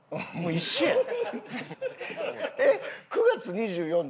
一緒やん。